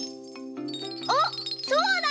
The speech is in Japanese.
あっそうだ！